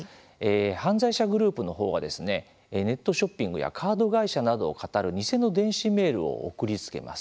犯罪者グループの方はネットショッピングやカード会社などをかたる偽の電子メールを送りつけます。